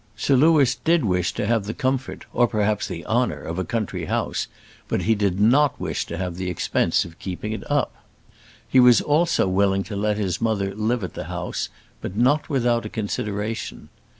Sir Louis did wish to have the comfort, or perhaps the honour, of a country house; but he did not wish to have the expense of keeping it up. He was also willing to let his mother live at the house; but not without a consideration.